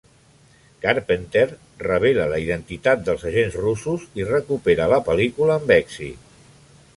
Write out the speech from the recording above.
Carpenter rebel·la la identitat dels agents russos i recupera la pel·lícula amb èxit.